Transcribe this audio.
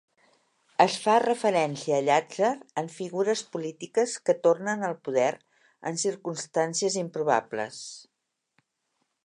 Es fa referència a Llàtzer en figures polítiques que tornen al poder en circumstàncies improbables.